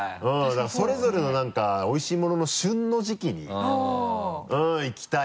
だからそれぞれの何かおいしいものの旬の時季に行きたいな。